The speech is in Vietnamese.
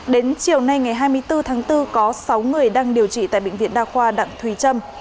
đến chiều nay ngày hai mươi bốn tháng bốn có sáu người đang điều trị tại bệnh viện đa khoa đặng thùy trâm